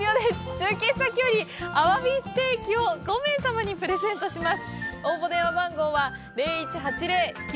中継先よりアワビステーキを５名様にプレゼントします。